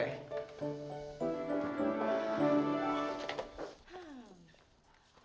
terima kasih pak